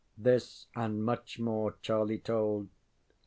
This and much more Charlie told.